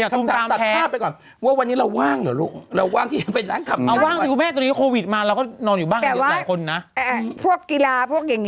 แต่ว่าพวกกีฬาพวกอย่างนี้ห้ามนะ